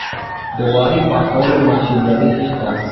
د واورې پاکولو ماشینري شته؟